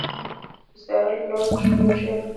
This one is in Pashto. استعاره په لغت کښي د یوه شي امانت غوښتلو ته وايي.